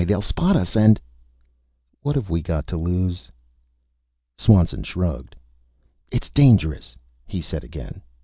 They'll spot us and " "What have we got to lose?" Swanson shrugged. "It's dangerous," he said again.